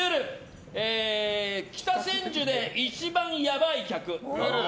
北千住で一番ヤバイ客。